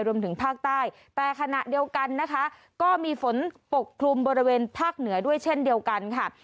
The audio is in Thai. รวมถึงภาคใต้แต่ขณะเดียวกันนะคะก็มีฝนปกคลุมบริเวณภาคเหนือด้วยเช่นเดียวกันค่ะ